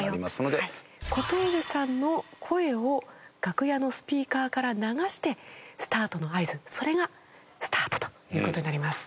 小峠さんの声を楽屋のスピーカーから流してスタートの合図それがスタートという事になります。